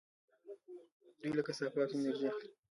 دوی له کثافاتو انرژي اخلي.